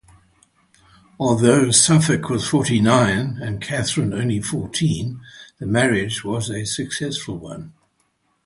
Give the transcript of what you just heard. Although Suffolk was forty-nine and Catherine only fourteen, the marriage was a successful one.